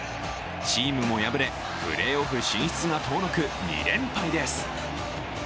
チームも敗れ、プレーオフ進出が遠のく２連敗です。